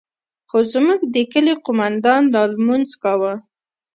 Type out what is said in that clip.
خو زموږ د كلي قومندان لا لمونځ كاوه.